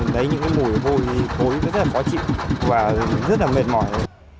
thấy những cái mùi hôi khối rất là khó chịu và rất là mệt mỏi